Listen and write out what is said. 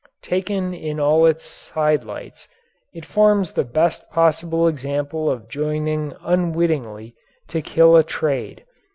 Taken in all its sidelights, it forms the best possible example of joining unwittingly to kill a trade.